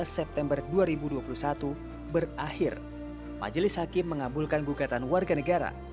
dua belas september dua ribu dua puluh satu berakhir majelis hakim mengabulkan gugatan warga negara